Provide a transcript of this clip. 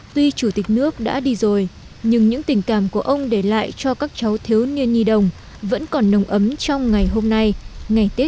tuy chủ tịch nước đã đi rồi nhưng những tình cảm của ông để lại cho các cháu thiếu niên nhi đồng vẫn còn nồng ấm trong ngày hôm nay ngày tết